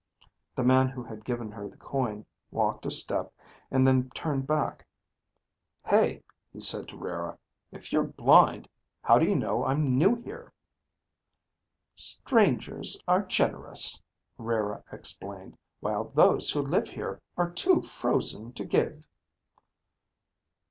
The man who had given her the coin walked a step, and then turned back. "Hey," he said to Rara. "If you're blind, how do you know I'm new here?" "Strangers are generous," Rara explained, "while those who live here are too frozen to give."